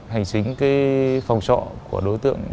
hành chính phòng trọ của đối tượng